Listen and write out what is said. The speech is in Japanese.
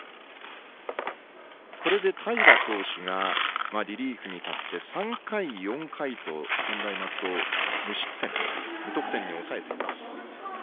これで平投手がリリーフに立って３回、４回と専大松戸を無失点、無得点に抑えています。